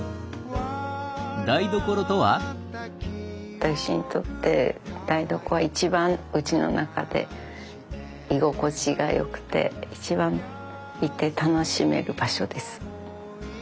私にとって台所は一番うちの中で居心地が良くて一番いて楽しめる場所です。